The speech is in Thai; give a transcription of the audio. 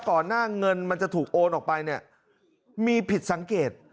ก่อนหน้าเงินมันจะถูกโอนออกไปเนี่ยมีผิดสังเกต